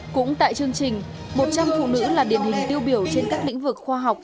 cũng tại chương trình một trăm linh phụ nữ là điển hình tiêu biểu trên các lĩnh vực khoa học